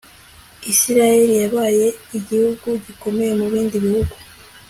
isirayeli yabaye igihugu gikomeye mu bindi bihugu